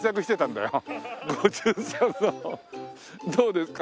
どうですか？